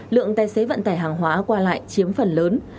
lượng tài xế vận tải hàng hóa qua lại chiếm phần lớn